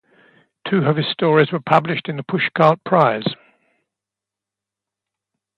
Two of his stories were published in The Pushcart Prize.